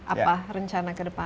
apa rencana kedepan